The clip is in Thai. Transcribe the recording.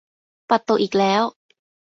ปัดตกอีกแล้ว !